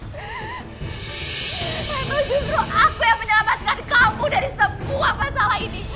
ibu justru aku yang menyelamatkan kamu dari semua masalah ini